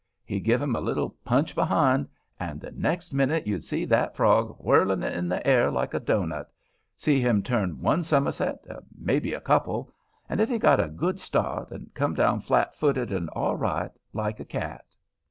He'd give him a little punch behind, and the next minute you'd see that frog whirling in the air like a doughnut—see him turn one summerset, or may be a couple, if he got a good start, and come down flat footed and all right, like a cat.